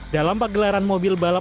dalam pegelaran mobil balapan